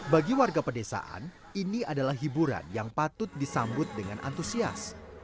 bagi warga pedesaan ini adalah hiburan yang patut disambut dengan antusias